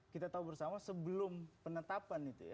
kita tahu bersama sebelum penetapan itu ya